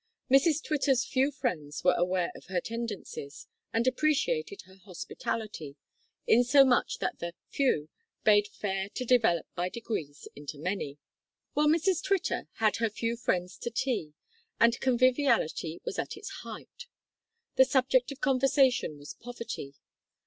Mrs Twitter's few friends were aware of her tendencies, and appreciated her hospitality, insomuch that the "few" bade fair to develop by degrees into many. Well, Mrs Twitter had her few friends to tea, and conviviality was at its height. The subject of conversation was poverty.